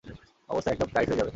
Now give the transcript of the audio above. অবস্থা একদম টাইট হয়ে যাবে!